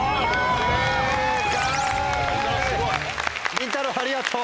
りんたろうありがとう。